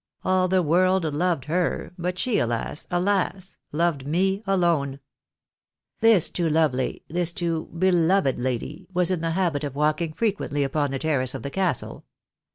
All the world loved her, but she, alas ! alas ! loved me alone ! This too lovely, this too beloved lady, was in the habit of walking frequently upon the terrace of the castle.